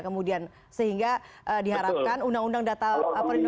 kemudian sehingga diharapkan undang undang data pribadi